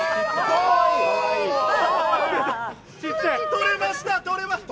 取れました！